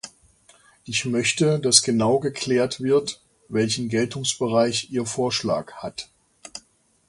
Ich möchte, dass genau geklärt wird, welchen Geltungsbereich ihr Vorschlag hat.